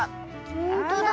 ほんとだ。